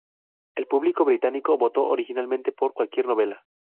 El público británico votó originalmente por cualquier novela.